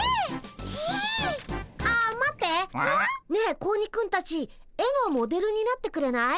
ピイ？ねえ子鬼くんたち絵のモデルになってくれない？